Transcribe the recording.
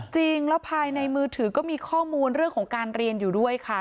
จริงแล้วภายในมือถือก็มีข้อมูลเรื่องของการเรียนอยู่ด้วยค่ะ